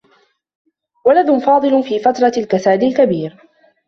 وُلد فاضل في فترة الكساد الكبير.